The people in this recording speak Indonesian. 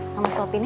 mama suapin ya